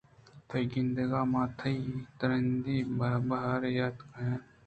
تئی گندگ ءَ من ءَ تئی ترٛندی ءُ بیہار یات کاینت